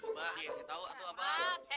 bah dia masih tau tuh apa